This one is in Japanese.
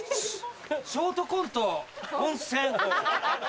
ショートコント「温泉」。